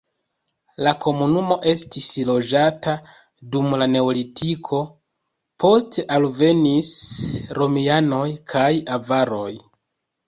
La komunumo estis loĝata dum la neolitiko, poste alvenis romianoj kaj avaroj.